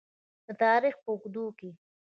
د تاریخ په اوږدو کې.